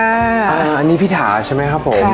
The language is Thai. อันนี้พี่ถาใช่ไหมครับผม